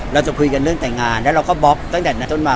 เราจะคุยกันเรื่องแต่งงานแล้วเราก็บล็อกตั้งแต่นั้นต้นมา